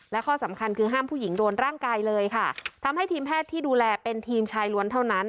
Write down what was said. และข้อสำคัญคือห้ามผู้หญิงโดนร่างกายเลยค่ะทำให้ทีมแพทย์ที่ดูแลเป็นทีมชายล้วนเท่านั้น